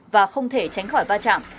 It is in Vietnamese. và không thể tránh khỏi va chạm